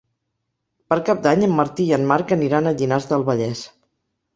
Per Cap d'Any en Martí i en Marc aniran a Llinars del Vallès.